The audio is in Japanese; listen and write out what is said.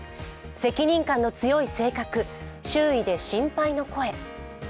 責任感の強い性格、周囲で心配の声。